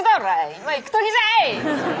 「今行く時じゃい！」